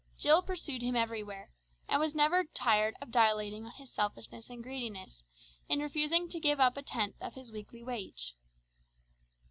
Jill pursued him everywhere, and was never tired of dilating on his selfishness and greediness, in refusing to give up a tenth of his weekly wage.